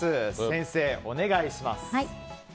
先生、お願いします。